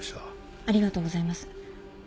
ありがとうございます。